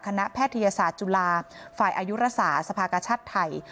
คณะแพทยศาสตร์จุฬาฯฝ่ายอายุรสาสภากชัดไทย